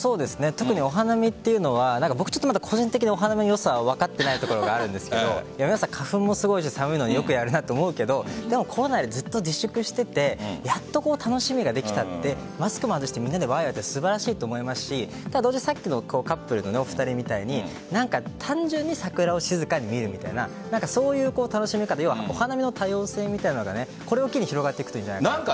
特にお花見というのはまだ個人的にお花見の良さ分かっていないところがあるんですが花粉もすごいし寒いのによくやるなと思うんだけどコロナでずっと自粛していてやっと楽しみができたのでマスクを外してワイワイは素晴らしいと思いますしさっきのカップルのお二人みたいに単純に桜を静かに見るみたいなそういう楽しみ方お花見の多様性みたいなのってこれを機に広がっていくといいと思います。